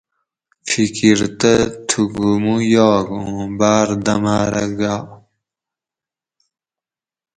فکیر تہ تھوکو مو یاگ اوں باۤر دماۤرہ گا